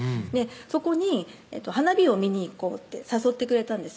そこに花火を見に行こうって誘ってくれたんです